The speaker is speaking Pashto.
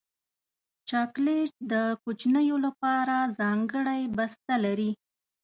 چاکلېټ د کوچنیو لپاره ځانګړی بسته لري.